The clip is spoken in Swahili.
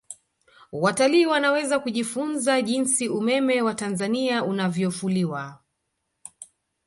watalii wanaweza kujifunza jinsi umeme wa tanzania unavyofuliwa